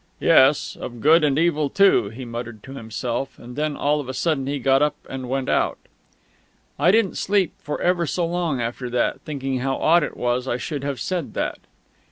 "Yes. Of good and evil too " he muttered to himself. And then all of a sudden he got up and went out. I didn't sleep for ever so long after that, thinking how odd it was I should have said that.